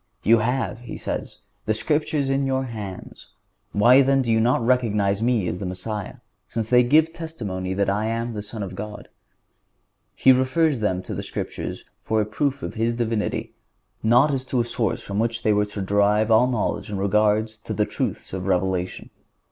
"You have," He says, "the Scriptures in your hands; why then do you not recognize Me as the Messiah, since they give testimony that I am the Son of God?" He refers them to the Scriptures for a proof of His Divinity, not as to a source from which they were to derive all knowledge in regard to the truths of revelation.